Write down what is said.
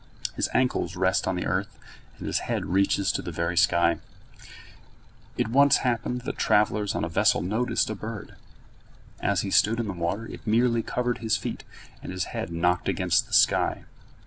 His ankles rest on the earth, and his head reaches to the very sky. It once happened that travellers on a vessel noticed a bird. As he stood in the water, it merely covered his feet, and his head knocked against the sky.